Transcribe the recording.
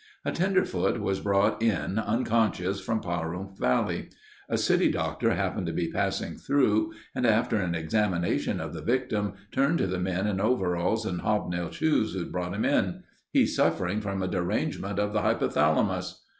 A tenderfoot was brought in unconscious from Pahrump Valley. A city doctor happened to be passing through and after an examination of the victim, turned to the men in overalls and hobnail shoes, who'd brought him in: "He's suffering from a derangement of the hypothalamus."